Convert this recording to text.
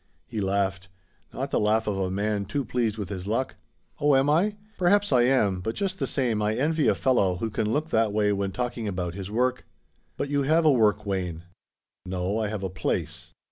He laughed: not the laugh of a man too pleased with his luck. "Oh, am I? Perhaps I am, but just the same I envy a fellow who can look that way when talking about his work." "But you have a work, Wayne." "No, I have a place."